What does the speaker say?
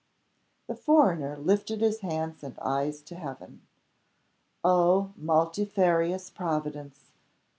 The foreigner lifted his hands and eyes to heaven. Oh, multifarious Providence!